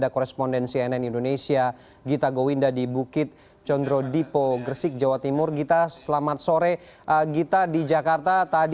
kurang lebih dua derajat